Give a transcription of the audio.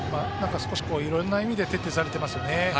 少しいろんな意味で徹底されていますよね。